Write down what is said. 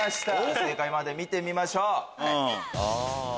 正解まで見てみましょう。